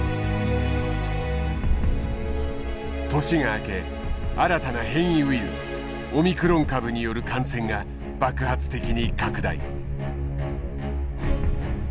年が明け新たな変異ウイルスオミクロン株による感染が爆発的に拡大。